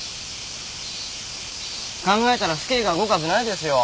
考えたら府警が動くはずないですよ。